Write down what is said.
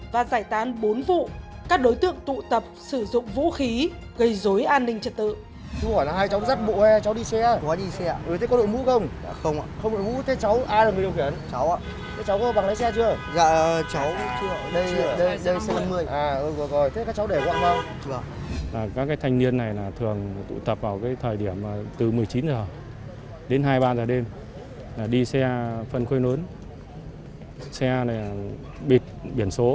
và giải tán bốn vụ các đối tượng tụ tập sử dụng vũ khí gây dối an ninh trật tự